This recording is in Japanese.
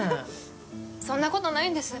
そんなことないんです。